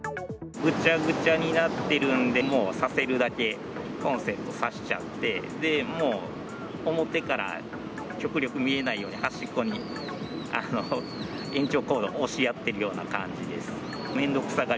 ぐちゃぐちゃになってるんで、もう挿せるだけコンセント挿しちゃって、もう表から極力見えないように、端っこに、延長コードを押しやっているような感じです。